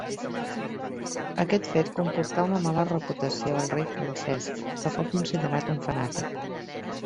Aquest fet comportà una mala reputació al rei francès, que fou considerat un fanàtic.